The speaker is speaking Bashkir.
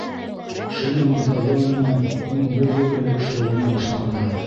Шина монтажлау менән ун бер йыл элек шөғөлләнә башлағандар.